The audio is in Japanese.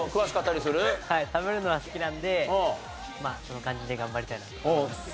食べるのは好きなんでまあそんな感じで頑張りたいなと思います。